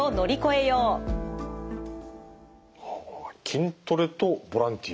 筋トレとボランティア。